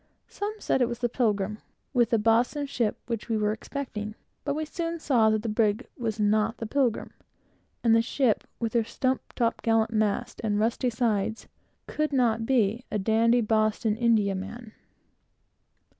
Some said it was the Pilgrim, with the Boston ship, which we were expecting; but we soon saw that the brig was not the Pilgrim, and the ship with her stump top gallant masts and rusty sides, could not be a dandy Boston Indiaman.